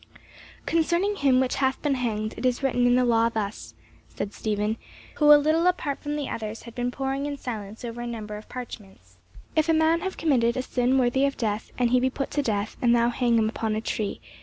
"Concerning him which hath been hanged, it is written in the law thus," said Stephen, who a little apart from the others had been poring in silence over a number of parchments. "'If a man have committed a sin worthy of death, and he be put to death, and thou hang him upon a tree.